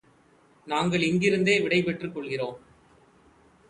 நாங்கள் இங்கிருந்தே விடை பெற்றுக் கொள்கிறோம்.